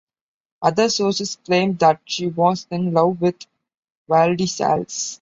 Other sources claim that she was in love with Vladislaus.